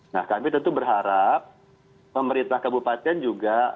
nah kami tentu berharap pemerintah kabupaten juga